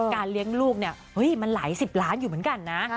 เลี้ยงลูกเนี่ยเฮ้ยมันหลายสิบล้านอยู่เหมือนกันนะ